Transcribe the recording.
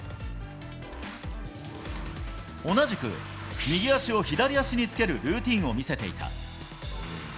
同じく右足を左足につけるルーティンを見せていた。